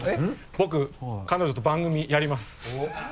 僕彼女と番組やります。